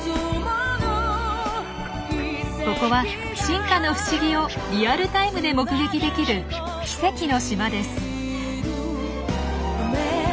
ここは進化の不思議をリアルタイムで目撃できる奇跡の島です。